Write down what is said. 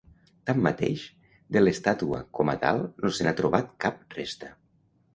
Tanmateix, de l'estàtua com a tal no se n'ha trobat cap resta.